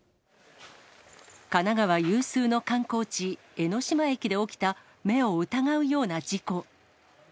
神奈川有数の観光地、江ノ島駅で起きた、目を疑うような事故。